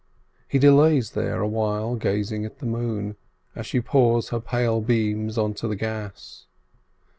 He delays there a while gazing at the moon, as she pours her pale beams onto the Gass.